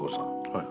はい。